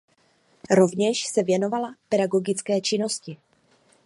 Rovněž se věnovala pedagogické činnosti.